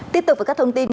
tiếp tục với các thông tin